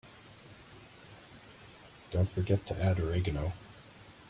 Don't forget to add Oregano.